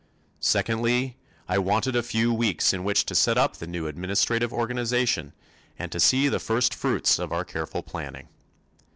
Secondly, I wanted a few weeks in which to set up the new administrative organization and to see the first fruits of our careful planning.